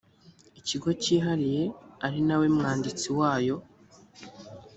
ikigo cyihariye ari na we mwanditsi wayo